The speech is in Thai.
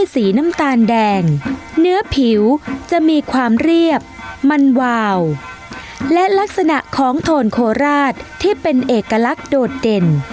สีน้ำตาลแดงเนื้อผิวจะมีความเรียบมันวาวและลักษณะของโทนโคราชที่เป็นเอกลักษณ์โดดเด่น